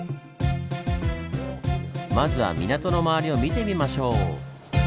まずは港の周りを見てみましょう！